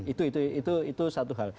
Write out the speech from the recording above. itu satu hal